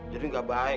jadi gak baik